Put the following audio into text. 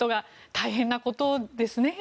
大変なことですね。